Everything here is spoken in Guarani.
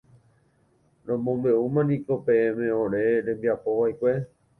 Romombeʼúmaniko peẽme ore rembiapo vaikue.